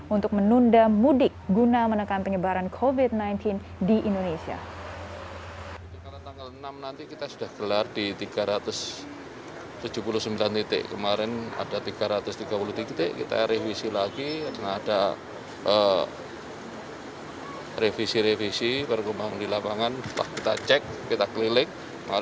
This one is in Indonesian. untuk menunda mudik guna menekan penyebaran covid sembilan belas di indonesia